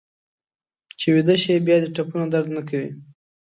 چې ویده شې بیا دې ټپونه درد نه کوي.